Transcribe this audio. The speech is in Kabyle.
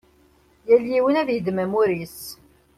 Yal yiwen ad yeddem amur-is.